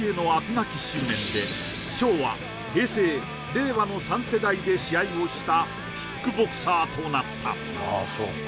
なき執念で昭和・平成・令和の３世代で試合をしたキックボクサーとなった